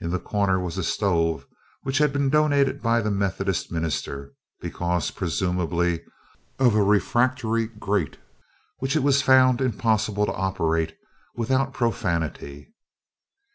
In the corner was a stove which had been donated by the Methodist minister, because, presumably, of a refractory grate which it was found impossible to operate without profanity.